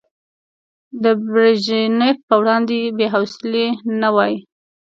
د بريژينف په وړاندې بې حوصلې نه وای.